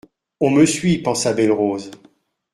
On me suit, pensa Belle-Rose.